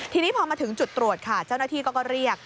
ทีนี้พอมาถึงจุดตรวจค่ะเจ้าหน้าที่ก็เรียก